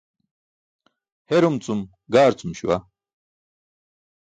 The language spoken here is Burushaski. Herum cum gaarcum śuwa.